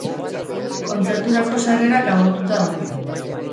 Kontzerturako sarrerak agortuta daude.